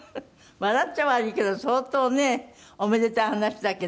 笑っちゃ悪いけど相当ねおめでたい話だけど。